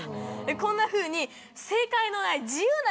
こんなふうに正解のない自由な。